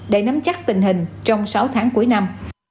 để nắm chắc tình hình trong sáu tháng cuối năm